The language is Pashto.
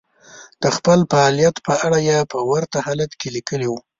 د خپل فعاليت په اړه يې په ورته حالت کې ليکلي وو.